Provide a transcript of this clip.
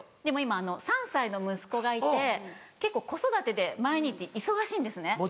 でも今３歳の息子がいて結構子育てで毎日忙しいんですね。